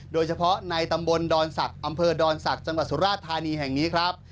โดยเฉพาะในตำบลดอนศักดิ์อำเภอดอนศักดิ์จังหวัดสุราชธานีแห่งนี้ครับ